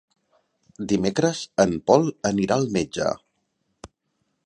Dimecres en Pol anirà al metge.